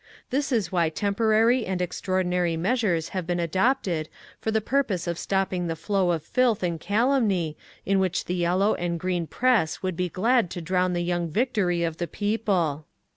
This is why temporary and extraordinary measures have been adopted for the purpose of stopping the flow of filth and calumny in which the yellow and green press would be glad to drown the young victory of the people.